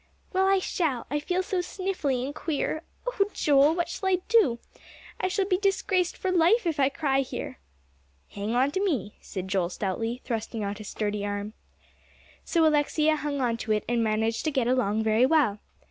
"Well, I shall; I feel so sniffly and queer. Oh, Joel, what shall I do? I shall be disgraced for life if I cry here." "Hang on to me," said Joel stoutly, thrusting out his sturdy arm. So Alexia hung on to it, and managed to get along very well.